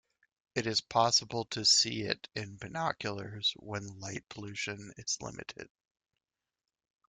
It is possible to see it in binoculars when light pollution is limited.